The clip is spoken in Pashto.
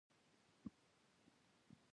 ښارونه د ټولو هیوادوالو لپاره لوی ویاړ دی.